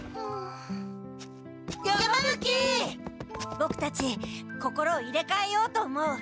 ボクたち心を入れかえようと思う。